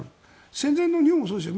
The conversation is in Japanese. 戦前の日本もそうでしたよ。